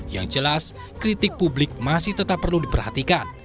yang jelas kritik publik masih tetap perlu diperhatikan